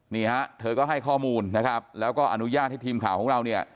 นี่ฮะเธอก็ให้ข้อมูลนะครับแล้วก็อนุญาตให้ทีมข่าวของเราเนี่ย